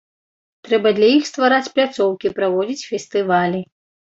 Трэба для іх ствараць пляцоўкі, праводзіць фестывалі.